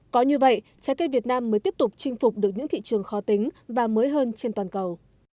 có như vậy trái cây việt nam mới tiếp tục chinh phục được những thị trường khó tính và mới hơn trên toàn cầu